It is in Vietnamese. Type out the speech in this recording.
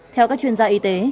theo các chuyên gia y tế